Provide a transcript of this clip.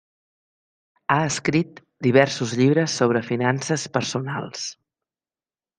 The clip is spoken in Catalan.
Ha escrit diversos llibres sobre finances personals.